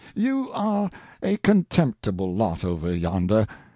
You are a contemptible lot, over yonder.